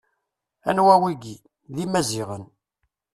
Anwa wigi: D Imaziɣen.